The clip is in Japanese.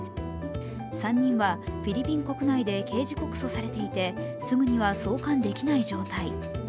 ３人はフィリピン国内で刑事告訴されていて、すぐには送還できない状態。